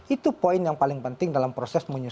itu poin yang paling penting dalam proses menyusul